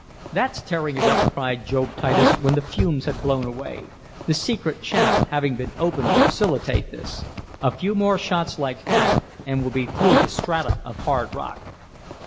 "That's tearing it up!" cried Job Titus, when the fumes had blown away, the secret shaft having been opened to facilitate this. "A few more shots like that and we'll be through the strata of hard rock."